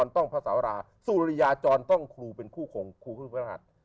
ต้องพระสาวราชสุริยาจรต้องครูเป็นคู่ของครูพฤพธรรมฮัตริย์